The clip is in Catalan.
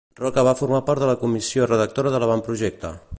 Roca va formar part de la comissió redactora de l'Avantprojecte.